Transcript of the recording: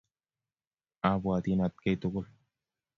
Abwatin atkei tugul